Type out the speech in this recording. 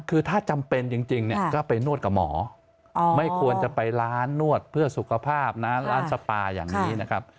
คือถ้าจำเป็นจริงเนี่ยก็ไปนวดกับหมอไม่ควรจะไปร้านนวดเพื่อสุขภาพนะร้านสปาอย่างนี้นะครับ